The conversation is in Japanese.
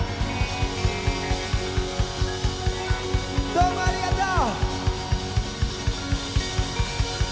どうもありがとう！